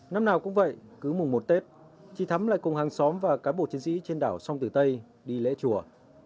năm nào cũng vậy cứ mùng một tết chị thắm lại cùng hàng xóm và cán bộ chiến sĩ trên đảo sông tử tây đi lễ chùa